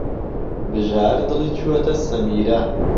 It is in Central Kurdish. بژار دڵی چووەتە سەمیرە.